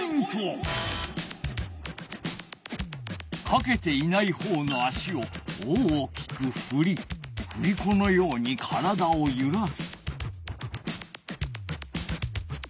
かけていないほうの足を大きくふりふりこのように体をゆらす。